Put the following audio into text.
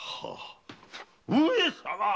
・上様！